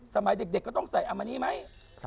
สมัยเด็กก็ต้องใส่อามานี่ไหม